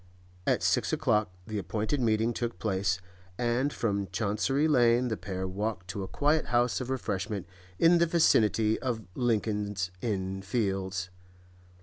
At six o'clock the appointed meeting took place, and from Chancery Lane the pair walked to a quiet house of refreshment in the vicinity of Lincoln's Inn Fields.